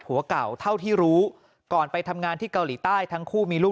ผัวเก่าเท่าที่รู้ก่อนไปทำงานที่เกาหลีใต้ทั้งคู่มีลูก